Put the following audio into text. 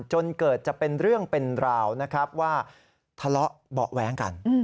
จนเกิดจะเป็นเรื่องเป็นราวนะครับว่าทะเลาะเบาะแว้งกัน